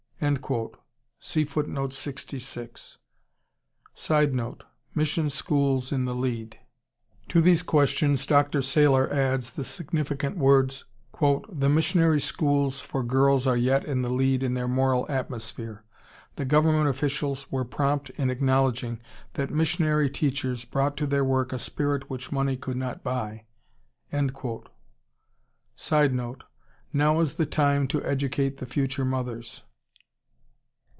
[Sidenote: Mission schools in the lead.] To these quotations Dr. Sailer adds the significant words, "The missionary schools for girls are yet in the lead in their moral atmosphere. The government officials were prompt in acknowledging that missionary teachers brought to their work a spirit which money could not buy." [Sidenote: Now is the time to educate the future mothers.